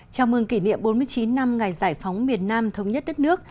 chào mừng kỷ niệm bốn mươi chín năm ngày giải phóng miền nam thống nhất đất nước